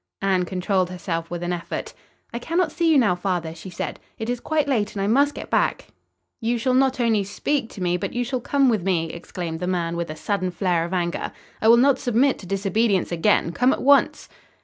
Anne controlled herself with an effort. "I cannot see you now, father," she said. "It is quite late and I must get back." "You shall not only speak to me but you shall come with me," exclaimed the man, with a sudden flare of anger. "I will not submit to disobedience again. Come at once!"